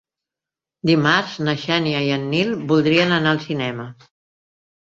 Dimarts na Xènia i en Nil voldria anar al cinema.